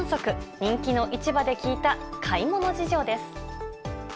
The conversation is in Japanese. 人気の市場で聞いた買い物事情です。